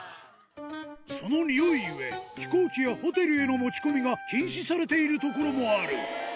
そのにおいゆえ、飛行機やホテルへの持ち込みが禁止されている所もある。